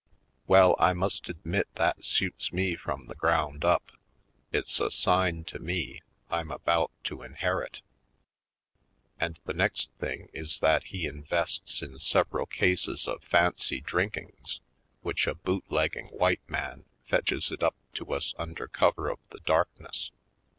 Well, I must admit that suits me from the ground up; it's a sign to me I'm about to inherit. And the next thing is that he invests in several cases of fancy drinkings which a bootlegging white man fetches it up to us under cover of the darkness.